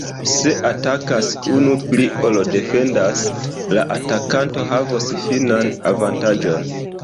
Se atakas unu pli ol defendas, la atakanto havos finan avantaĝon.